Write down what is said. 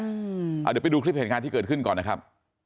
เดี๋ยวไปดูคลิปเหตุการณ์ที่เกิดขึ้นก่อนนะครับ